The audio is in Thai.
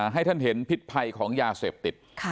ให้ท่านเห็นพิษภัยของยาเสพติด